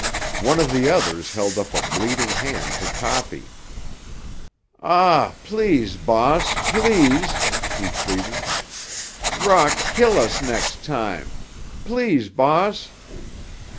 One of the others held up a bleeding hand to Toppy. "Ah, pleess, bahss, pleess," he pleaded. "Rock kill us next time. Pleess, bahss!"